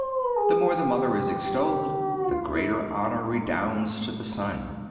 The more the mother is extolled, the greater honor redounds to the son.